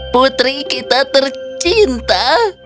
putri kita tercinta